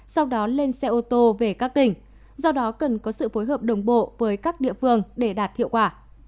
sau đó lên xe ô tô về các tỉnh do đó cần có sự phối hợp đồng bộ với các địa phương để đạt hiệu quả